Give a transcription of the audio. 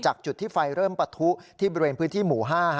จุดที่ไฟเริ่มปะทุที่บริเวณพื้นที่หมู่๕